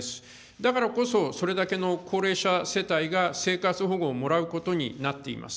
だからこそ、それだけの高齢者世帯が生活保護をもらうことになっています。